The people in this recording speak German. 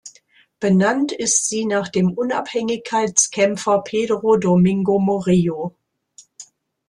Benannt ist sie nach dem Unabhängigkeitskämpfer Pedro Domingo Murillo.